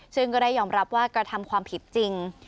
ซึ่งก็ได้ยอมรับว่ากระทำความผิดจริง